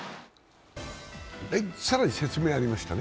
更に説明ありましたね。